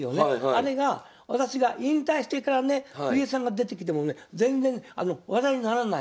あれが私が引退してからね藤井さんが出てきてもね全然話題にならない。